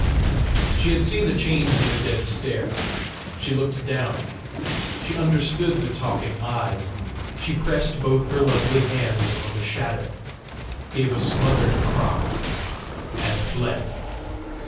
She had seen the change in the dead stare; she looked down; she understood the talking eyes; she pressed both her lovely hands on the shadow, gave a smothered cry, and fled.